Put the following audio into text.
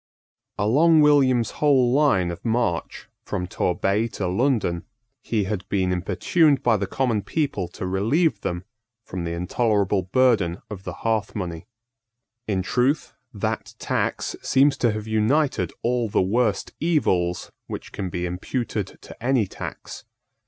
Along William's whole line of march, from Torbay to London, he had been importuned by the common people to relieve them from the intolerable burden of the hearth money. In truth, that tax seems to have united all the worst evils which can be imputed to any tax.